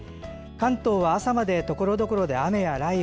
関東は朝までところどころで雨や雷雨。